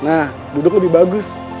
nah duduk lebih bagus